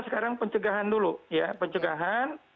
sekarang pencegahan dulu ya pencegahan